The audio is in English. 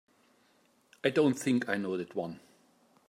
I don't think I know that one.